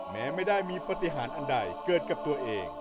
แม้ไม่ได้มีปฏิหารอันใดเกิดกับตัวเอง